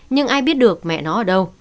nhưng ai biết được mẹ nó ở đâu